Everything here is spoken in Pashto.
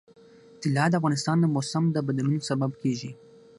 طلا د افغانستان د موسم د بدلون سبب کېږي.